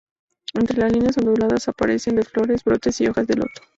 Entre las líneas onduladas aparecen de flores, brotes y hojas de loto.